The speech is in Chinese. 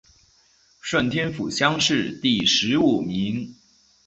顺天府乡试第十五名。